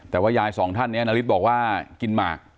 แต่ว่ายายสองท่านนี้นาริสบอกว่ากินหมาก